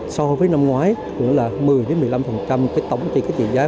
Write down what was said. so với năm ngoái cũng là một mươi đến một mươi năm tổng trên cái trị giá